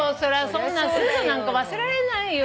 そんなんすぐなんか忘れられないよ。